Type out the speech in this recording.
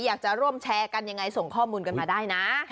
อยากจะร่วมแชร์กันยังไงส่งข้อมูลกันมาได้นะ